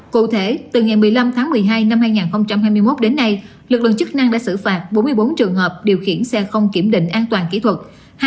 cụ thể từ ngày một mươi năm tháng một mươi hai năm hai nghìn hai mươi một đến nay lực lượng chức năng đã xử phạt bốn mươi bốn trường hợp điều khiển xe không kiểm định an toàn kỹ thuật